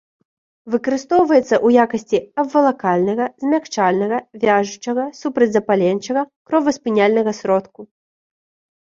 Выкарыстоўваецца ў якасці абвалакальнага, змякчальнага, вяжучага, супрацьзапаленчага, кроваспыняльнага сродку.